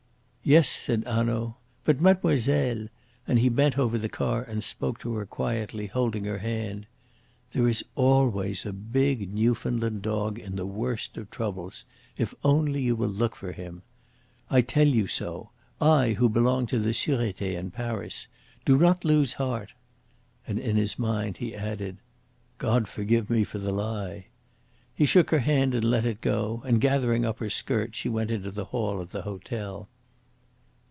"Yes," said Hanaud. "But, mademoiselle" and he bent over the car and spoke to her quietly, holding her hand "there is ALWAYS a big Newfoundland dog in the worst of troubles if only you will look for him. I tell you so I, who belong to the Surete in Paris. Do not lose heart!" And in his mind he added: "God forgive me for the lie." He shook her hand and let it go; and gathering up her skirt she went into the hall of the hotel.